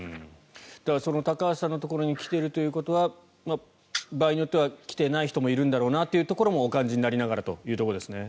高橋さんのところに来ているということは場合によっては来ていない人もいるんだろうなというところもお感じになりながらということですね。